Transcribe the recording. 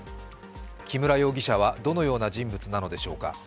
木村容疑者は、どのような人物なのでしょうか。